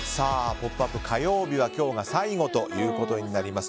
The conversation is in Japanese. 「ポップＵＰ！」火曜日は今日が最後ということになります。